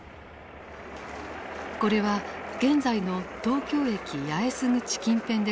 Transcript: これは現在の東京駅八重洲口近辺で撮られた映像。